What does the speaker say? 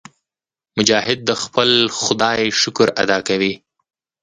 مجاهد د خپل خدای شکر ادا کوي.